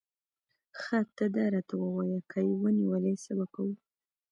ښه ته داراته ووایه، که یې ونیولې، څه به کوو؟